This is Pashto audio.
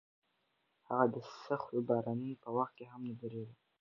هغه د سختو بارانونو په وخت کې هم نه درېده.